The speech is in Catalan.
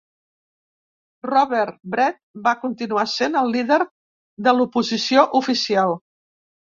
Robert Brett va continuar sent el líder de l'oposició oficial.